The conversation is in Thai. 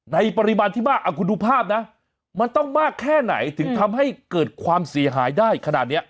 ปริมาณที่มากเอาคุณดูภาพนะมันต้องมากแค่ไหนถึงทำให้เกิดความเสียหายได้ขนาดนี้